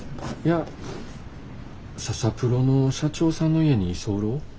いやササプロの社長さんの家に居候。